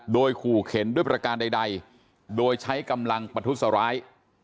โดยขู่เข็นด้วยประการใดโดยใช้กำลังประทุษร้าย